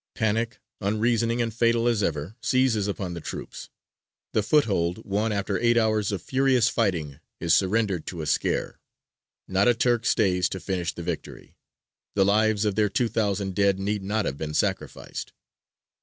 Panic, unreasoning and fatal as ever, seizes upon the troops: the foothold won after eight hours of furious fighting is surrendered to a scare; not a Turk stays to finish the victory. The lives of their two thousand dead need not have been sacrificed.